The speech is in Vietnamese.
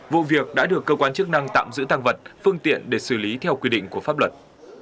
vụ việc đã được cơ quan chức năng tạm giữ tăng vật phương tiện để xử lý theo quy định của pháp luật